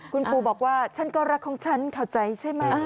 คุณครูบอกว่าฉันก็รักของฉันเข้าใจใช่ไหม